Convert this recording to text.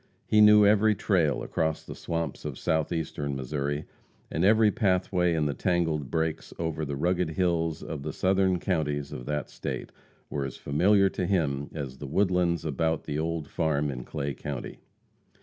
He knew every "trail" across the swamps of Southeastern Missouri, and every pathway in the tangled brakes over the rugged hills of the southern counties of that State, were as familiar to him as the woodlands about the old farm in Clay county.